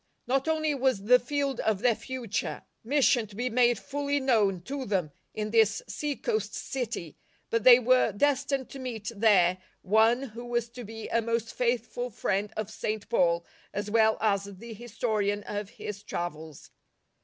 Not only was the field of their future y 6o LIFE OF ST. ^ mission to be made fully known to tbem in this sea coast city, but they were destined to meet there one who was to be a most faithful friend of St. Paul as well as the historian of his travels.